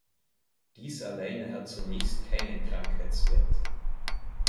Dies alleine hat zunächst keinen Krankheitswert.